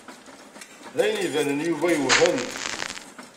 D ayen ibanen Yuba yewhem.